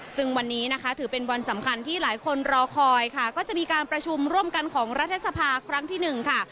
ซึ่งวันนี้นะคะถือเป็นวันสำคัญที่หลายคนรอคอยค่ะก็จะมีการประชุมร่วมกันของรัฐสภาครั้งที่หนึ่งค่ะ